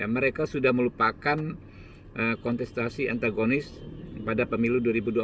mereka sudah melupakan kontestasi antagonis pada pemilu dua ribu dua puluh